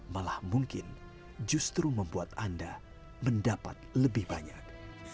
malah mungkin justru membuat anda mendapat lebih banyak